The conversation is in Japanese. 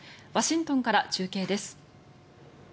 ワシントンから中継です。